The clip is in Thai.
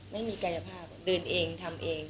ไม่มีกายภาพเดินเองทำเอง